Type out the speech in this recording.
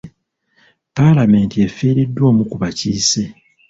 Palamenti efiiriddwa omu ku bakiise.